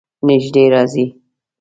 نژدې راځئ